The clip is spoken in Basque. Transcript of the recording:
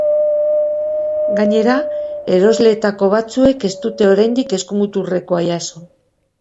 Gainera, erosleetako batzuek ez dute oraindik eskumuturrekoa jaso.